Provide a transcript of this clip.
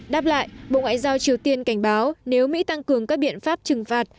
đáp lại bộ ngoại giao triều tiên cảnh báo nếu mỹ tăng cường các biện pháp trừng phạt